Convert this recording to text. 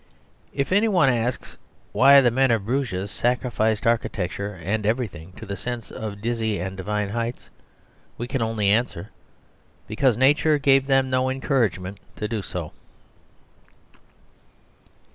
If any one asks, "Why the men of Bruges sacrificed architecture and everything to the sense of dizzy and divine heights?" we can only answer, "Because Nature gave them no encouragement to do so."